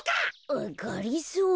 あっがりぞー。